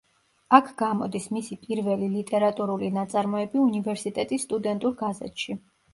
აქ გამოდის მისი პირველი ლიტერატურული ნაწარმოები უნივერსიტეტის სტუდენტურ გაზეთში.